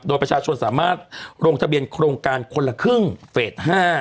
โดยประชาชนสามารถลงทะเบียนโครงการคนละครึ่งเฟส๕